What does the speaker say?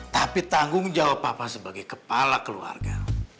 tapi tanggung jawab papa sebagai kepala keluarga